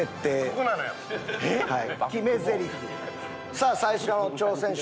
さあ最初の挑戦者。